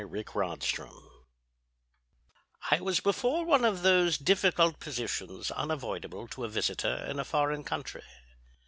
The Reward I was before one of those difficult positions unavoidable to a visitor in a foreign country.